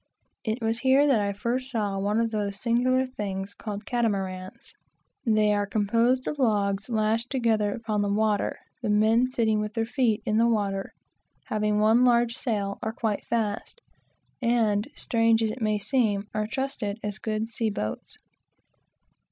It was here that I first saw one of those singular things called catamarans. They are composed of logs lashed together upon the water; have one large sail, are quite fast, and, strange as it may seem, are trusted as good sea boats.